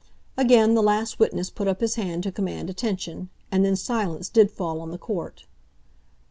Again the last witness put up his hand to command attention. And then silence did fall on the court.